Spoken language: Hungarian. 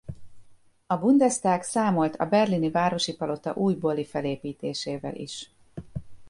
A Bundestag számolt a Berlini Városi Palota újbóli felépítésével is.